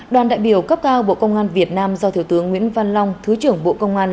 đoàn đại biểu cấp cao bộ công an việt nam do thiếu tướng nguyễn văn long thứ trưởng bộ công an